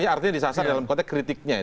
artinya disasar dalam konteks kritiknya